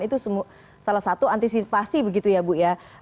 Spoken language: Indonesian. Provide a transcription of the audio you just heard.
itu salah satu antisipasi begitu ya bu ya